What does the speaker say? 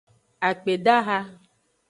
Akpedaha.